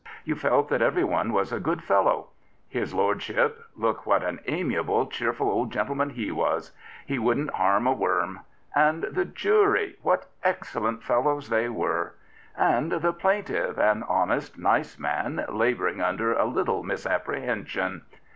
You felt that everyone was a good fellow. His lordship — look what an amiable, cheerful old gentleman he was 1 He wouldn't harm a worm. And the jury — what excellent fellows they were I And the plaintiff, an honest, nice man, labouring under a little misapprehension.